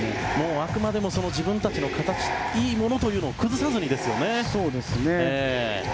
あくまでも自分たちの形いいものというのを崩さずにですね。